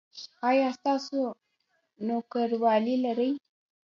ایا تاسو نوکریوالي لرئ؟